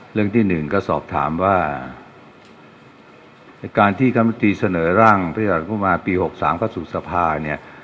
เรื่องที่หนึ่งก็สอบถามว่าการที่คณะกรรมนาธิการเสนอร่างพฤษฐรพุทธมาปี๖๓พระสูรสภาเนี่ย